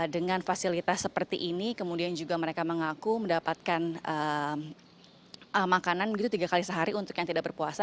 dengan fasilitas seperti ini kemudian juga mereka mengaku mendapatkan makanan begitu tiga kali sehari untuk yang tidak berpuasa